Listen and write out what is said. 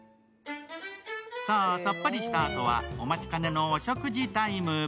さあ、さっぱりしたあとは、お待ちかねのお食事タイム。